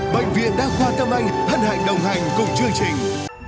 bệnh viện đa khoa tâm anh hân hạnh đồng hành cùng chương trình